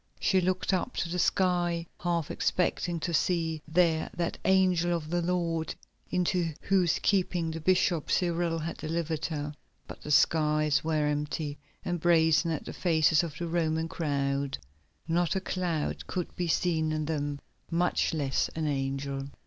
She looked up to the sky, half expecting to see there that angel of the Lord into whose keeping the bishop, Cyril, had delivered her. But the skies were empty and brazen as the faces of the Roman crowd; not a cloud could be seen in them, much less an angel.